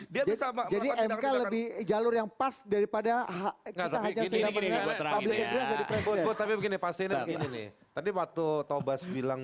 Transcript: dia bisa jadi mk lebih jalur yang pas daripada tapi begini pasti ini tadi waktu tobas bilang